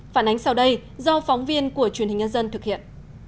phản ánh sau đây do phóng viên của truyền hình nhân dân thực hiện